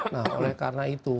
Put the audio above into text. nah karena itu